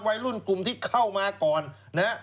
วัยรุ่นกลุ่มที่เข้ามาก่อนนะฮะ